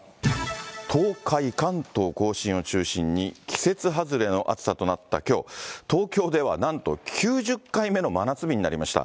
東海、関東甲信を中心に、季節外れの暑さとなったきょう、東京ではなんと９０回目の真夏日になりました。